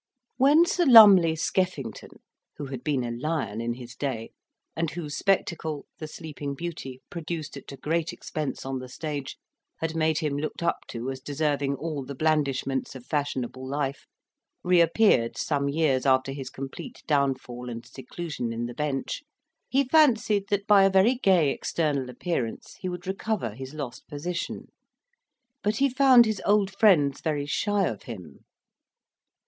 When Sir Lumley Skeffington, who had been a lion in his day and whose spectacle, the Sleeping Beauty, produced at a great expense on the stage, had made him looked up to as deserving all the blandishments of fashionable life re appeared some years after his complete downfall and seclusion in the bench, he fancied that by a very gay external appearance he would recover his lost position; but he found his old friends very shy of him.